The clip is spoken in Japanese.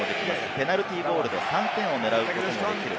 ペナルティーゴールで３点を狙うこともできる。